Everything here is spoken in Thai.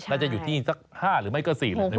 น่าจะอยู่ที่นี่สัก๕หรือไม่ก็๔ในบางวัน